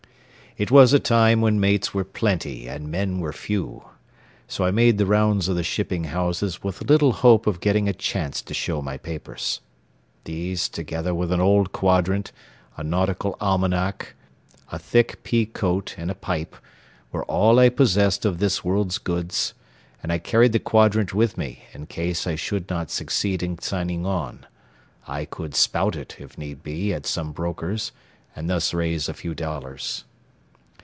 It was a time when mates were plenty and men were few, so I made the rounds of the shipping houses with little hope of getting a chance to show my papers. These, together with an old quadrant, a nautical almanac, a thick pea coat, and a pipe, were all I possessed of this world's goods, and I carried the quadrant with me in case I should not succeed in signing on. I could "spout it," if need be, at some broker's, and thus raise a few dollars.